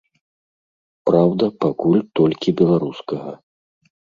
Праўда, пакуль толькі беларускага.